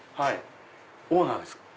オーナーですか？